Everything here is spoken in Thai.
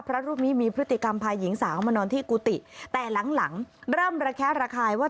พระรูปนี้มีพฤติกรรมพาหญิงสาวมานอนที่กุฏิแต่หลังหลังเริ่มระแคะระคายว่า